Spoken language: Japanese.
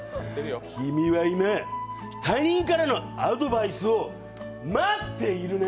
君は今、他人からのアドバイスを待っているね。